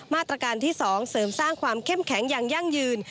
มาตรการที่๒เสริมสร้างความเข้มแข็งอย่างยั่งยืน